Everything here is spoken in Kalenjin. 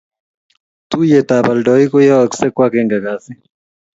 tuyietab aldoik ko yooksei ko agenge kasi